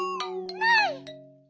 ない。